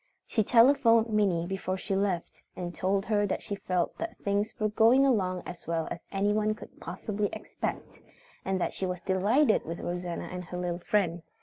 She telephoned Minnie before she left and told her that she felt that things were going along as well as anyone could possibly expect, and that she was delighted with Rosanna and her little friend.